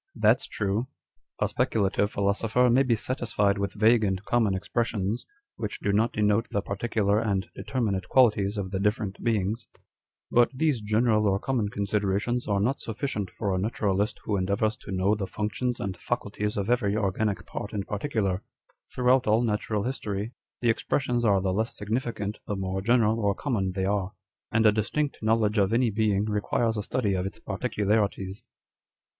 â€" [That's true.] â€" " A speculative philosopher may be satisfied with vague and common expressions, which do not denote the particular and deter minate qualities of the different beings ; but these general â€¢or common considerations are not sufficient for a naturalist who endeavours to know the functions and faculties of 214 0)i Dr. Spwzheimfo Theory. every organic part in particular. Throughout all natural history, the expressions are the less significant the more general or common they are ; and a distinct knowledge of any being requires a study of its particularities."